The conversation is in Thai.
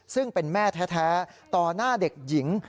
ซึ่งเป็นแม่แท้ต่อหน้าเด็กหญิง